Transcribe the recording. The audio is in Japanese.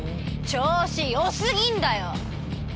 調子よ過ぎんだよ！